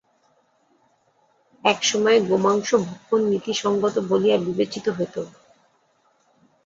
এক সময়ে গোমাংস-ভক্ষণ নীতিসঙ্গত বলিয়া বিবেচিত হইত।